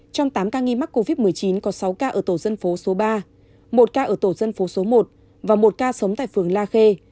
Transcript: trong tám ca nghi mắc covid một mươi chín có sáu ca ở tổ dân phố số ba một ca ở tổ dân phố số một và một ca sống tại phường la khê